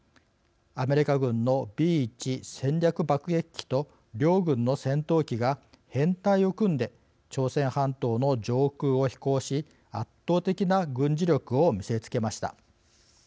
アメリカ軍のＢ１戦略爆撃機と両軍の戦闘機が編隊を組んで朝鮮半島の上空を飛行し圧倒的な軍事力を見せつけました。